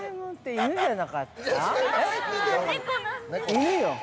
◆犬よ。